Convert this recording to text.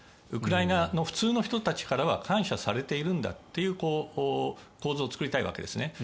ウクライナの普通の人たちからは感謝されているんだという構図を作りたいわけですね。